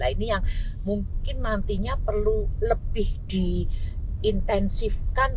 nah ini yang mungkin nantinya perlu lebih diintensifkan